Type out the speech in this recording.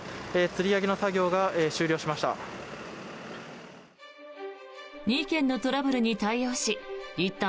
つり上げの作業が終了しました。